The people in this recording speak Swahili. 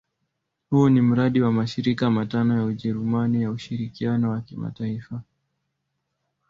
Huu ni mradi wa mashirika matano ya Ujerumani ya ushirikiano wa kimataifa.